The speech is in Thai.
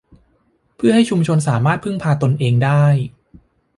เพื่อให้ชุมชนสามารถพึ่งพาตนเองได้